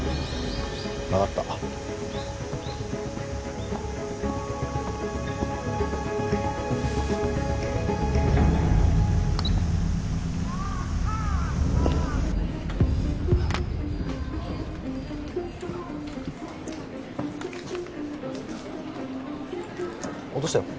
分かった落としたよ